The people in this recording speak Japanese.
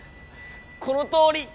このとおり！